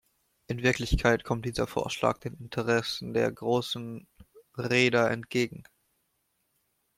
In Wirklichkeit kommt dieser Vorschlag den Interessen der großen Reeder entgegen.